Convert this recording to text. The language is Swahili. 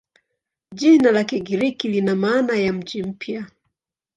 Jina la Kigiriki lina maana ya "mji mpya".